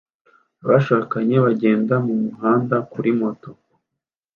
abashakanye bagenda mumuhanda kuri moto